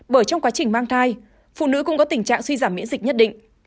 bởi trong quá trình mang thai phụ nữ cũng có tình trạng suy giảm miễn dịch nhất định